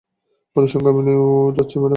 ওদের সঙ্গে আপনিও যাচ্ছেন, ম্যাডাম?